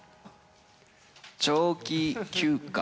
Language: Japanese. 長期休暇。